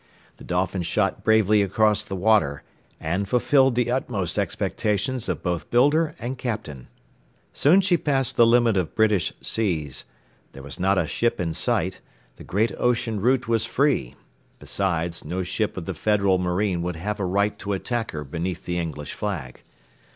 The Dolphin shot bravely across the water, and fulfilled the utmost expectations of both builder and captain. Soon she passed the limit of British seas; there was not a ship in sight; the great ocean route was free; besides, no ship of the Federal marine would have a right to attack her beneath the English flag.